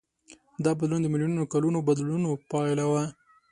دا بدلون د میلیونونو کلونو بدلونونو پایله وه.